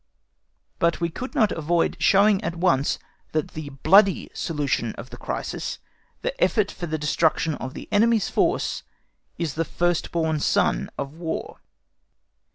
But we could not avoid showing at once that the bloody solution of the crisis, the effort for the destruction of the enemy's force, is the firstborn son of War.